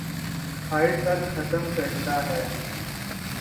خر تک ختم کرتا ہے